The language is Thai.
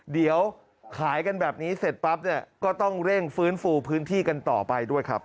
เดี๋ยวขายกันแบบนี้เสร็จปั๊บเนี่ยก็ต้องเร่งฟื้นฟูพื้นที่กันต่อไปด้วยครับ